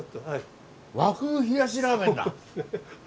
和風冷やしラーメンだ。